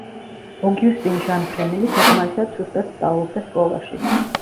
ოგიუსტინ ჟან ფრენელი საკმარისად სუსტად სწავლობდა სკოლაში.